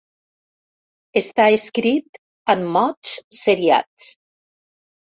Està escrit amb mots seriats.